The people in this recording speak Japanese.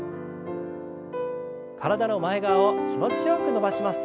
体の前側を気持ちよく伸ばします。